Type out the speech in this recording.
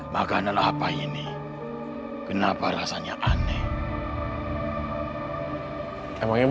berarti dua jam engkaf